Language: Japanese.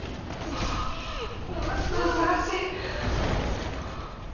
まあ何と恐ろしい！